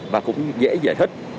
và cũng dễ giải thích